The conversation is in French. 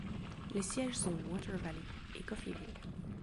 Les sièges sont Water Valley et Coffeeville.